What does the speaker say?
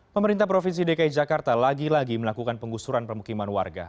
pemerintah provinsi dki jakarta lagi lagi melakukan penggusuran permukiman warga